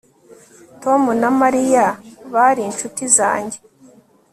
Tom na Mariya bari inshuti zanjye